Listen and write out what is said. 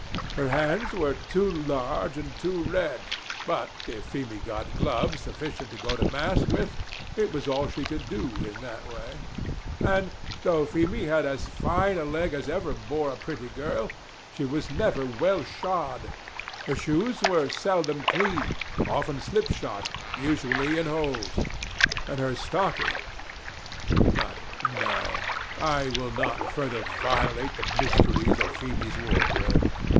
Her hands were too large and too red, but if Feemy got gloves sufficient to go to mass with, it was all she could do in that way; and though Feemy had as fine a leg as ever bore a pretty girl, she was never well shod, her shoes were seldom clean, often slipshod, usually in holes; and her stockings but no! I will not further violate the mysteries of Feemy's wardrobe.